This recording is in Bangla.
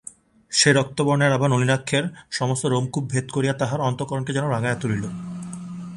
সেই রক্তবর্ণের আভা নলিনাক্ষের সমস্ত রোমকূপ ভেদ করিয়া তাহার অন্তঃকরণকে যেন রাঙাইয়া তুলিল।